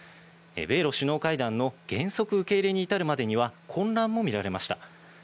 米露首脳会談の原則受け入れに至るまでには混乱もみられました。